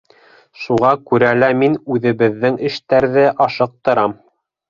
Шуға күрә лә мин үҙебеҙҙең эштәрҙе ашыҡтырам.